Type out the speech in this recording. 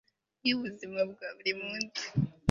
yubuzima bwa buri munsi